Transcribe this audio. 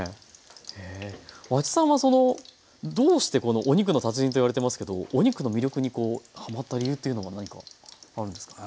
和知さんはどうしてこのお肉の達人と言われていますけどお肉の魅力にこうはまった理由というのは何かあるんですか？